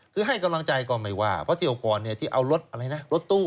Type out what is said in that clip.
คือให้กำลังใจก็ไม่ว่าเพราะเที่ยวก่อนที่เอารถอะไรนะรถตู้